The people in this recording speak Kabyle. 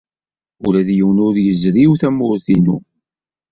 Ula d yiwen ur yezriw tamurt-inu.